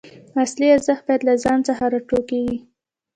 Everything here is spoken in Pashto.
اصلي ارزښت باید له ځان څخه راټوکېږي.